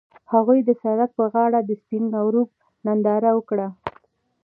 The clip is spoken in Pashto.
هغوی د سړک پر غاړه د سپین غروب ننداره وکړه.